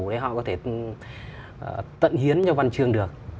để họ có thể tận hiến cho văn chương được